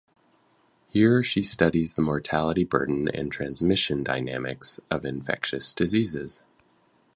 Here she studies the mortality burden and transmission dynamics of infectious diseases.